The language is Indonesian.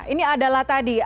ini adalah tadi